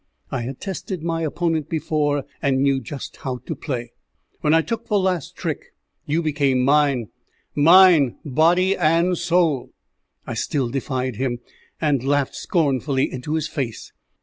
I had tested my opponent before, and knew just how to play. When I took the last trick, you became mine mine, body and soul!" I still defied him, and laughed scornfully into his face.